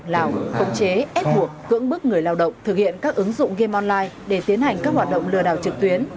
lào công chế ép buộc cưỡng bức người lao động thực hiện các ứng dụng game online để tiến hành các hoạt động lừa đảo trực tuyến